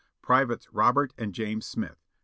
"Privates Robert and James Smith, Co.